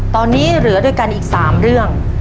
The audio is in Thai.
ตอนนี้เหลือด้วยกันอีก๓เรื่อง